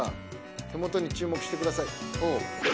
手元に注目してください。